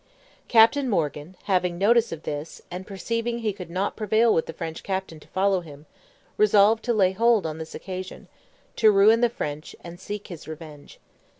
Captain Morgan having notice of this, and perceiving he could not prevail with the French captain to follow him, resolved to lay hold on this occasion, to ruin the French, and seek his revenge.